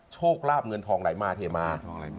ช่วงคราบเงินทองไหลมาเทมา